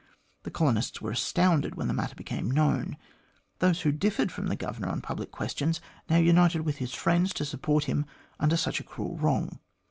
The colonists were astounded when the matter became known. Those who differed from the Governor on public questions, now united with his friends to support him under such a cruel wrong.